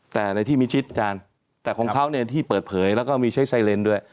แต่ในที่มิชิดอาจารย์แต่ของเขาเนี่ยที่เปิดเผยแล้วก็มีใช้ไซเรนด้วย